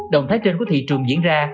động thái trên của thị trường diễn ra